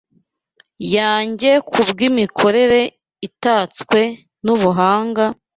wanjye ku bw’imikorere itatswe n’ubuhanga,